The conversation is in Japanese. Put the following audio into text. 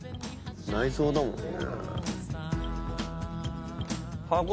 内臓だもんね。